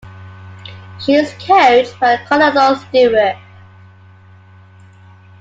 She is coached by Colonel Stewart.